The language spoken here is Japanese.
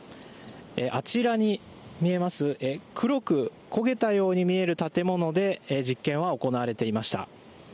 あちらに見えます黒く焦げたように見える建物で実験は行われていました。